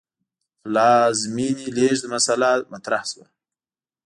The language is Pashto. د پلازمې لېږد مسئله مطرح شوه.